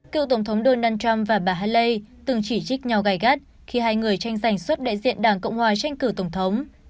cựu tổng thống donald trump và bà haley từng chỉ trích nhau gai gắt khi hai người tranh giành xuất đại diện đảng cộng hòa tranh cử tổng thống